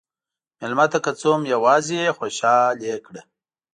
مېلمه ته که څه هم یواځې دی، خوشحال کړه.